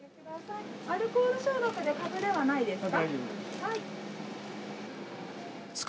アルコール消毒でかぶれはないですか。